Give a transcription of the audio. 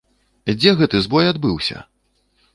Дзе гэты збой адбыўся?